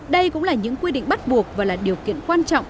đây cũng là những quy định bắt buộc và là điều kiện quan trọng